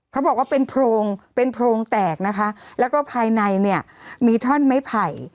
เขาบอกว่าเป็นโพรงเป็นโพรงแตกนะคะแล้วก็ภายในเนี่ยมีท่อนไม้ไผ่